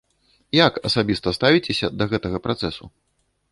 Як асабіста ставіцеся да гэтага працэсу?